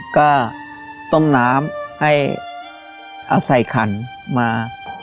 ก็ต้มน้ำให้เอาใส่ขันมา